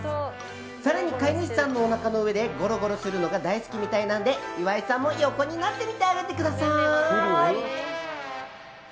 更に、飼い主さんのおなかの上でゴロゴロするのが大好きみたいなので、岩井さんも横になってみてあげてください！